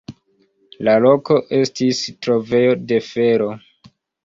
La loko estis trovejo de fero.